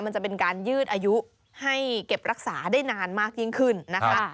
จะเป็นการยืดอายุให้เก็บรักษาได้นานมากยิ่งขึ้นนะคะ